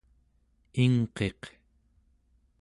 ingqiq